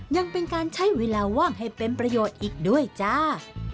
ยังเป็นการใช้เวลาว่างให้เป็นประโยชน์อีกด้วยจ้า